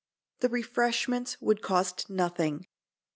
The refreshments would cost nothing.